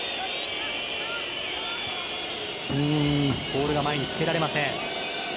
ボールが前につけられません。